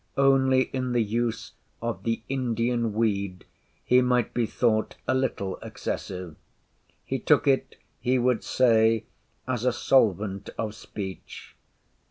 Only in the use of the Indian weed he might be thought a little excessive. He took it, he would say, as a solvent of speech.